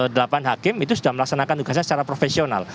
delapan hakim itu sudah melaksanakan tugasnya secara profesional